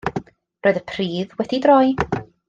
Roedd y pridd wedi'i droi.